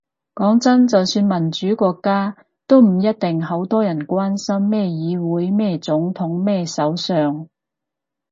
講真，就算民主國家，都唔一定好多人關心咩議會咩總統咩首相